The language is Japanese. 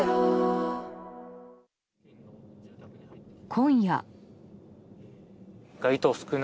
今夜。